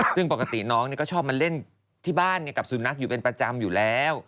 ซึ่งปกติน้องก็ชอบมาเล่นที่บ้านกับสุนัขอยู่เป็นประจำอยู่แล้ว